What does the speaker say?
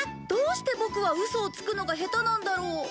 どうしてボクはウソをつくのが下手なんだろう？